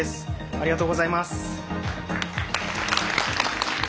ありがとうございます。